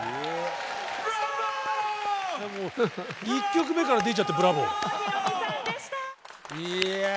１曲目から出ちゃってブラボー！